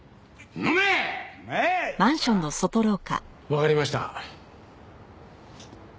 わかりました。